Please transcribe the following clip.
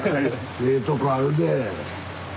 ええとこあるで。